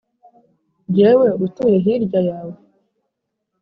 Jyewe utuye hirya yawe?